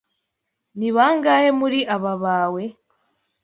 Ni bangahe muri aba bawe?